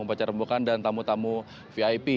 upacara pembukaan dan tamu tamu vip